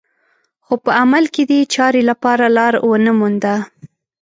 خو په عمل کې دې چارې لپاره لاره ونه مونده